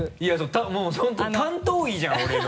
もう本当担当医じゃん俺の。